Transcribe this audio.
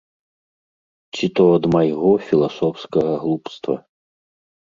Ці то ад майго філасофскага глупства.